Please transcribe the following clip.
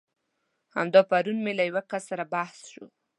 همدا پرون مې له يو کس سره بحث شو.